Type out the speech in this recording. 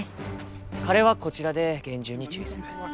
彼はこちらで厳重に注意する。